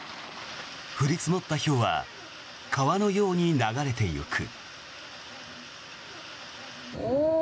降り積もったひょうは川のように流れていく。